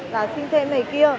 là xin thêm này kia